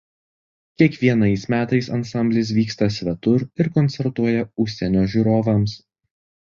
Kiekvienais metais ansamblis vyksta svetur ir koncertuoja užsienio žiūrovams.